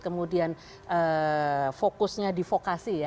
kemudian fokusnya di vokasi ya